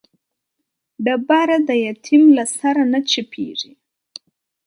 ډبره د يتيم له سره نه چپېږي.